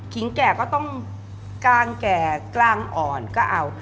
แก่ก็ต้องกลางแก่กลางอ่อนก็เอา